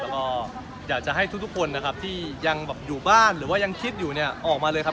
แล้วก็อยากจะให้ทุกคนนะครับที่ยังแบบอยู่บ้านหรือว่ายังคิดอยู่เนี่ยออกมาเลยครับ